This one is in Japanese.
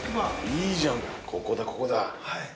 ◆いいじゃん、ここだここだ。